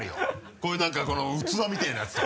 こういう何かこの器みてぇなやつとか。